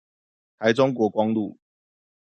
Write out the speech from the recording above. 台中國光路